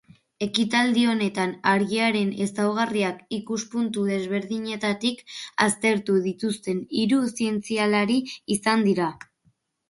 Ekitaldi honetan argiaren ezaugarriak ikuspuntu desberdinetatik aztertu dituzten hiru zientzialari izan dira.